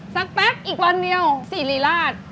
แป๊บอีกวันเดียวสิริราช